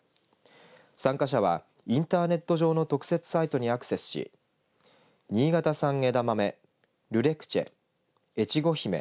参加者はインターネット上の特設サイトにアクセスし新潟産えだまめルレクチエ越後姫